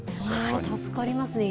助かりますね。